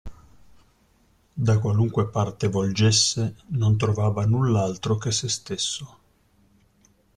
Da qualunque parte volgesse, non trovava null'altro che sé stesso.